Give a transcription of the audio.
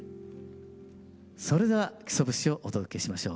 それでは「木曽節」をお届けしましょう。